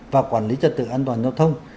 và quản lý trật tự an toàn giao thông